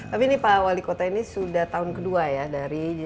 tapi ini pak wali kota ini sudah tahun kedua ya dari